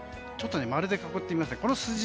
丸で囲ってみました。